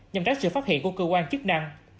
nhằm tránh sự phát hiện của cơ quan chức năng